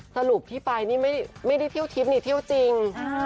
สรุปที่ไปนี่ไม่ได้เที่ยวทิพย์นี่เที่ยวจริง